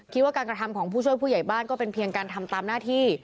ว่าการกระทำของผู้ช่วยผู้ใหญ่บ้านก็เป็นเพียงการทำตามหน้าที่